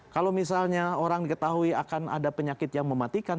kalau misalnya orang diketahui akan ada penyakit yang mematikan